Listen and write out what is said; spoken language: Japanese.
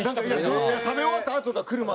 食べ終わったあととか来るまで。